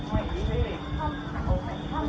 แบ่งไหนบ้าง